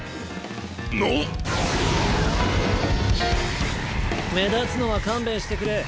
なっ⁉目立つのは勘弁してくれ。